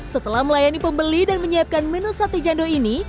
setelah melayani pembeli dan menyiapkan menu sate jando ini